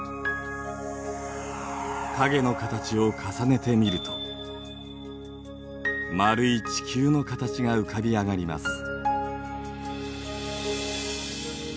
影の形を重ねてみると丸い地球の形が浮かび上がります。